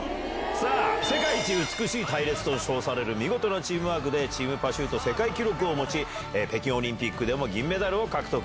さあ、世界一美しい隊列と称される見事なチームワークで、チームパシュート世界記録を持ち、北京オリンピックでも銀メダルを獲得。